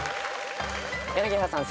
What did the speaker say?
柳原さん